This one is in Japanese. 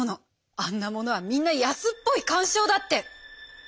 「あんなものはみんな安っぽい感傷だって！」。